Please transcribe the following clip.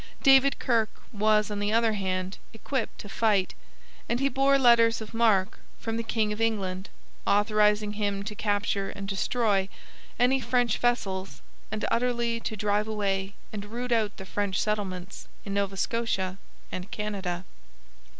David Kirke was, on the other hand, equipped to fight, and he bore letters of marque from the king of England authorizing him to capture and destroy any French vessels and 'utterly to drive away and root out the French settlements in Nova Scotia and Canada.'